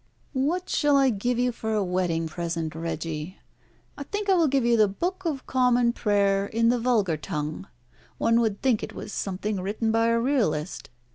"What shall I give you for a wedding present, Reggie? I think I will give you the book of Common Prayer in the vulgar tongue. One would think it was something written by a realist.